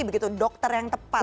begitu dokter yang tepat